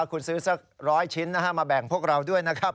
คุณซื้อสัก๑๐๐ชิ้นมาแบ่งพวกเราด้วยนะครับ